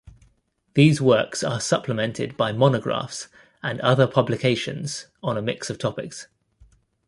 These works are supplemented by monographs and other publications on a mix of topics.